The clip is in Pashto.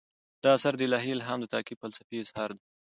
دا اثر د الهي الهام د تعقیب فلسفي اظهار دی.